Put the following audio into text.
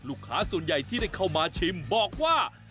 ลูกค้าส่วนใหญ่ที่ได้เข้ามาชิมบอกว่า